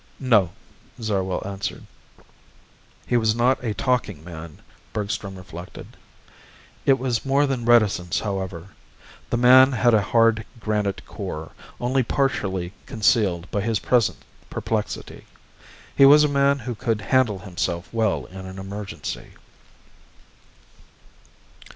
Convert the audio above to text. "No," Zarwell answered. He was not a talking man, Bergstrom reflected. It was more than reticence, however. The man had a hard granite core, only partially concealed by his present perplexity. He was a man who could handle himself well in an emergency.